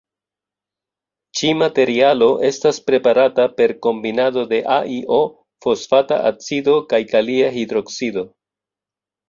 Ĉi-materialo estas preparata per kombinado de AlO, fosfata acido kaj kalia hidroksido.